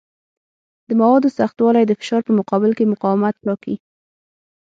د موادو سختوالی د فشار په مقابل کې مقاومت ټاکي.